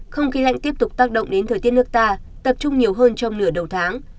không khí lạnh tiếp tục tác động đến thời tiết nước ta tập trung nhiều hơn trong nửa đầu tháng